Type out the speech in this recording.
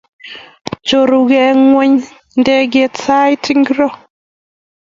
Chorugee ngweny ndegeit sait ngiro?